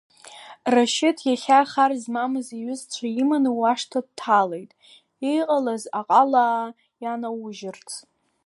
Рашьыҭ иахьа хар змам иҩызцәа иманы уашҭа дҭалеит, иҟалаз аҟалаа ианаужьырц!